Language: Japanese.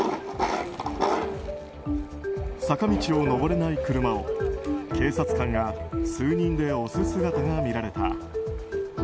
坂道を登れない車を警察官が数人で押す姿が見られた。